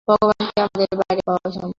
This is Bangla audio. ভগবানকে আমাদের বাইরে পাওয়া অসম্ভব।